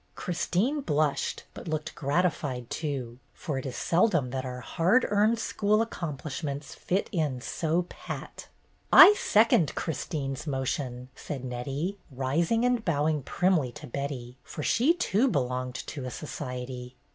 Christine blushed, but looked gratified, too, for it is seldom that our hard earned school accomplishments fit in so pat. "I second Christine's motion," said Nettie, rising and bowing primly to Betty, for she, too, belonged to a society.